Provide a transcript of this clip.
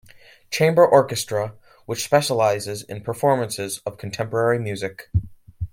Chamber Orchestra, which specialises in performances of contemporary music.